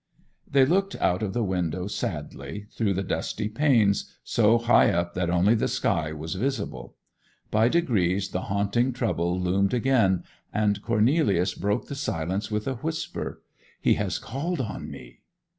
They looked out of the window sadly, through the dusty panes, so high up that only the sky was visible. By degrees the haunting trouble loomed again, and Cornelius broke the silence with a whisper: 'He has called on me!